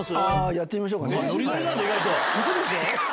やってみましょう。